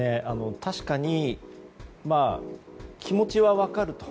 確かに気持ちは分かると。